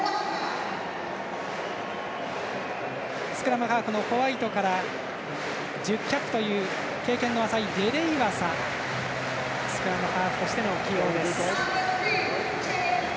スクラムハーフのホワイトから１０キャップという経験のレレイワサがスクラムハーフとしての起用です。